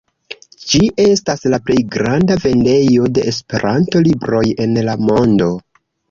Ĝi estas la plej granda vendejo de Esperanto-libroj en la mondo.